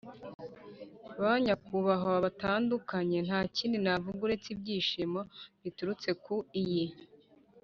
banyakubahwa mutandukanye, nta kindi navuga uretse ibyishimo biturutse ku iyi